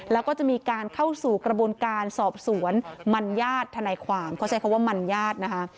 แล้วก็จะมีการเข้าสู่กระบวนการสอบสวนมันญาติทนายความเขาใช้คำว่ามันญาตินะคะ